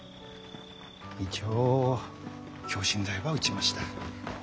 一応強心剤は打ちました。